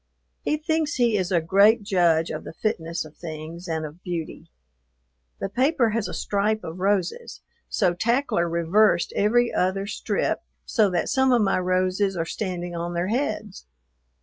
He thinks he is a great judge of the fitness of things and of beauty. The paper has a stripe of roses, so Tackler reversed every other strip so that some of my roses are standing on their heads.